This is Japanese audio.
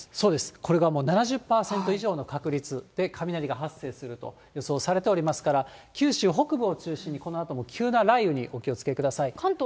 これがもう７０％以上の確率で雷が発生する予想されておりますから、九州北部を中心に、このあとも急な雷雨にお気をつけください。